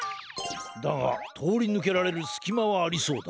だがとおりぬけられるすきまはありそうだ。